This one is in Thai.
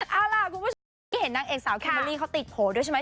เอาล่ะคุณผู้ชายก็ได้เห็นนักเอกสาวคิมอลลี่เขาติดโผล่ด้วยใช่ไหม